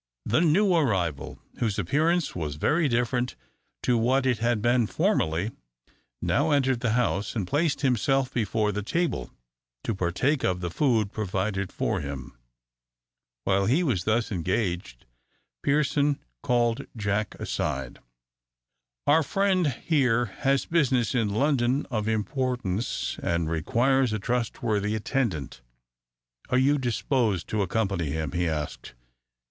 The new arrival, whose appearance was very different to what it had been formerly, now entered the house, and placed himself before the table, to partake of the food provided for him. While he was thus engaged, Pearson called Jack aside. "Our friend here has business in London of importance, and requires a trustworthy attendant. Are you disposed to accompany him?" he asked.